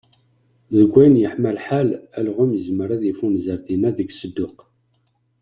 Deg wayen i yeḥma lḥal, alɣem izmer ad d-ifunzer dinna deg Sedduq.